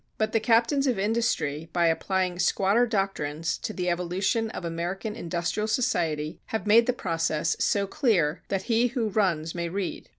But the captains of industry by applying squatter doctrines to the evolution of American industrial society, have made the process so clear that he who runs may read.